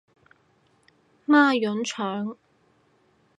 孖膶腸